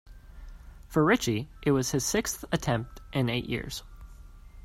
For Richie, it was his sixth attempt in eight years.